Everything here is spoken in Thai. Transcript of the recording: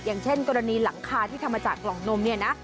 อย่างเช่นกรณีหลังคาที่ทำมาจากกล่องนมเนี่ยนะ